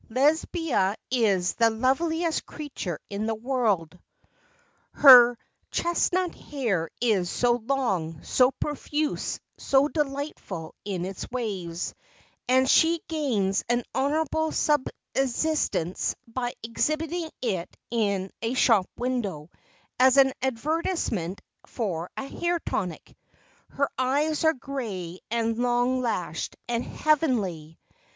Lesbia is the loveliest creature in the world. Her 283 284 STORIES WITHOUT TEARS chestnut hair is so long, so profuse, so delightful in its waves, that she gains an honorable subsistence by exhibiting it in a shop window as an advertise ment for a hair tonic. Her eyes are gray and long lashed, and heavenly.